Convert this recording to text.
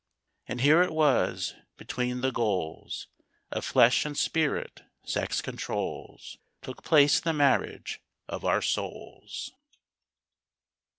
And here it was between the goals Of flesh and spirit, sex controls Took place the marriage of our souls.